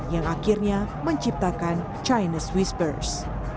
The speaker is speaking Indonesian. yang akhirnya menciptakan chinese whispers